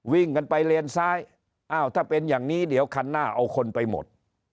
วิ่งกันไปเลนซ้ายอ้าวถ้าเป็นอย่างนี้เดี๋ยวคันหน้าเอาคนไปหมด